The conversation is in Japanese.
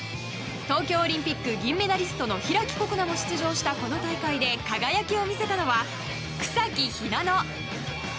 東京オリンピック銀メダリストの開心那も出場したこの大会で輝きを見せたのは草木ひなの。